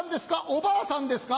おばあさんですか？